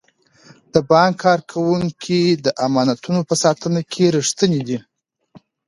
د بانک کارکوونکي د امانتونو په ساتنه کې ریښتیني دي.